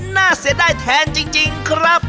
น่าเสียดายแทนจริงครับ